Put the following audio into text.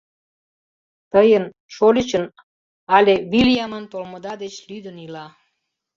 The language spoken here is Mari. Тыйын, шольычын але Вилйамын толмыда деч лӱдын ила.